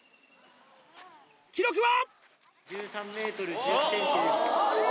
記録は。